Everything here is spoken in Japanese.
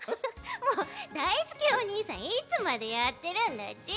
もうだいすけお兄さんいつまでやってるんだち！